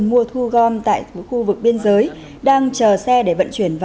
mua thu gom tại khu vực biên giới